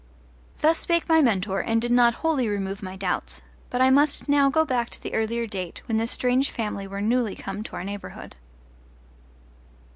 Thus spoke my mentor and did not wholly remove my doubts. But I must now go back to the earlier date, when this strange family were newly come to our neighbourhood.